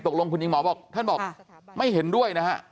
ตกลงคุณหญิงหมอบอกท่านบอกไม่เห็นด้วยนะฮะ